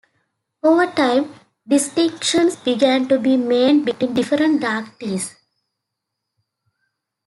Over time, distinctions began to be made between different dark teas.